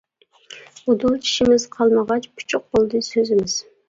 ئۇدۇل چىشىمىز قالمىغاچ، پۇچۇق بولدى سۆزىمىز.